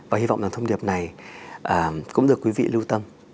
và hy vọng là thông điệp này cũng được quý vị lưu tâm